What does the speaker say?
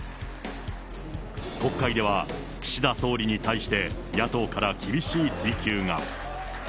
国会では、岸田総理に対して、野党から厳しい追及が。